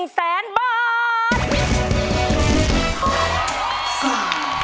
๑แสนบาท